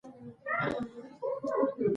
تاریخ د سولې لپاره درس ورکوي.